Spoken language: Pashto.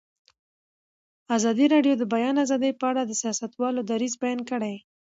ازادي راډیو د د بیان آزادي په اړه د سیاستوالو دریځ بیان کړی.